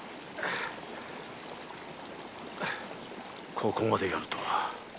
ここまでやるとは